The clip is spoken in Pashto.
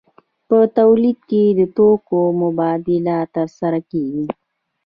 په تولید کې د توکو مبادله ترسره کیږي.